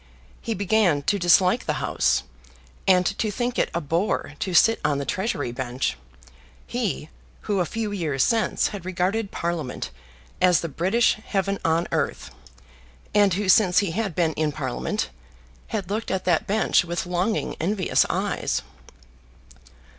He began to dislike the House, and to think it a bore to sit on the Treasury bench; he, who a few years since had regarded Parliament as the British heaven on earth, and who, since he had been in Parliament, had looked at that bench with longing envious eyes.